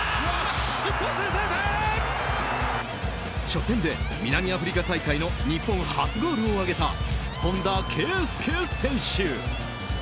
初戦で南アフリカ大会の日本初ゴールを挙げた本田圭佑選手。